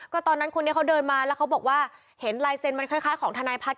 ก็ตอนนั้นคนนี้เขาเดินมาแล้วเขาบอกว่าเห็นลายเซ็นต์มันคล้ายของทนายพัฒน์